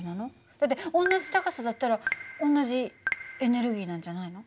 だって同じ高さだったら同じエネルギーなんじゃないの？